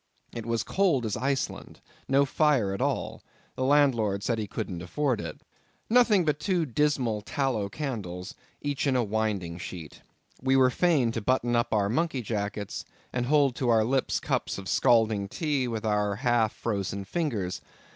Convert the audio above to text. It was cold as Iceland—no fire at all—the landlord said he couldn't afford it. Nothing but two dismal tallow candles, each in a winding sheet. We were fain to button up our monkey jackets, and hold to our lips cups of scalding tea with our half frozen fingers.